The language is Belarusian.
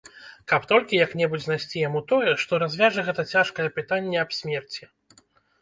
Каб толькі як-небудзь знайсці яму тое, што развяжа гэта цяжкае пытанне аб смерці!